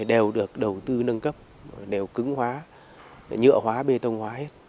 đều được đầu tư nâng cấp đều cứng hóa nhựa hóa bê tông hóa hết